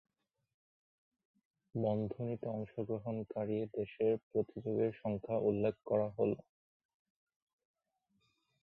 বন্ধনীতে অংশগ্রহণকারী দেশের প্রতিযোগীর সংখ্যা উল্লেখ করা হলো।